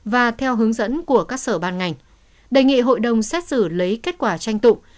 và theo hướng dẫn của các sở ban ngành đề nghị hội đồng xét xử lấy kết quả tranh tụng